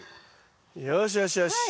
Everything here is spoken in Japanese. よしよしよし。